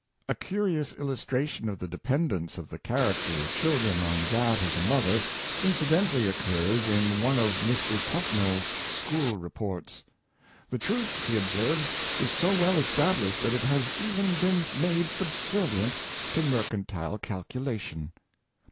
A curious iUustration of the dependence of the char acter of children on that of the mother incidentally occurs in one of Mr. TufnelPs school reports. The truth, he observes, is so well established that it has even been made subservient to mercantile calculation.